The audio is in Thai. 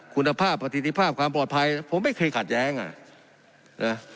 คุณภาพประสิทธิภาพความปลอดภัยผมไม่เคยขัดแย้งอ่ะนะ